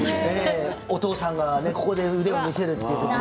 お父さんがここで腕を見せるという時に。